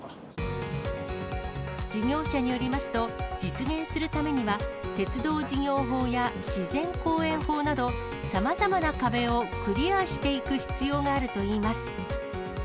事業者によりますと、実現するためには、鉄道事業法や自然公園法など、さまざまな壁をクリアしていく必要があるといいます。